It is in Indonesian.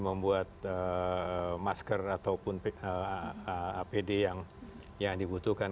membuat masker ataupun apd yang dibutuhkan